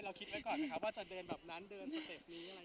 เราคิดไว้ก่อนไหมคะว่าจะเดินแบบนั้นเดินสเต็ปนี้อะไรอย่างนี้